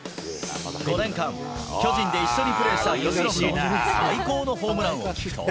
５年間、巨人で一緒にプレーした由伸の最高のホームランを。